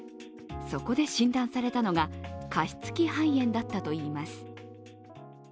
そこで診断されたのが、加湿器肺炎だったといいます。